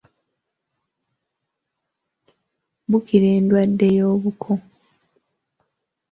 Bukira endwadde y'obuko.